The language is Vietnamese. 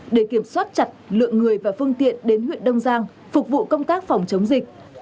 để kiểm soát chặt lượng người và phương tiện đến huyện đông giang phục vụ công tác phòng chống dịch